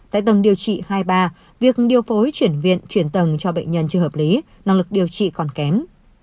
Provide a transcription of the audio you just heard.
tại tầng điều trị hai ba việc điều phối chuyển viện chuyển tầng cho bệnh nhân chưa hợp lý năng lực điều trị còn kém